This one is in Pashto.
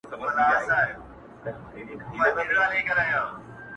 تل زاړه کفن کښان له خدایه غواړي.!